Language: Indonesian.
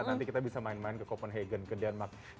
nanti kita bisa main main ke copenhagen ke denmark